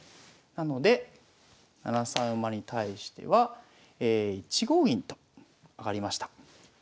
なので７三馬に対しては１五銀と上がりました。